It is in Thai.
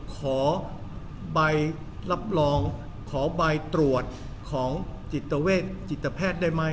ขอใบรับรองขอใบตรวจของจิตแพทย์ได้ไหม